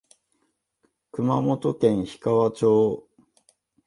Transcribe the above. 熊本県氷川町